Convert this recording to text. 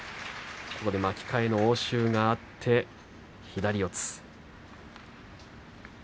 巻き替えの応酬があって左四つ。